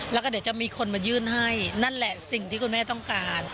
แล้วก็เดี๋ยวจะมีคนมายื่นให้นั่นแหละสิ่งที่คุณแม่ต้องการ